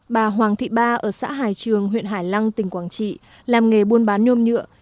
bà hoàng thị ba ở xã hải trường huyện hải lăng tỉnh quảng trị làm nghề buôn bán nhôm nhựa